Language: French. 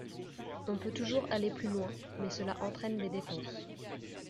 On peut toujours aller plus loin, mais cela entraîne des dépenses.